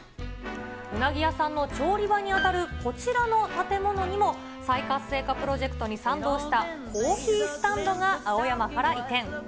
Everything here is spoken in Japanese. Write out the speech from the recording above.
うなぎ屋さんの調理場に当たるこちらの建物にも、再活性化プロジェクトに賛同したコーヒースタンドが青山から移転。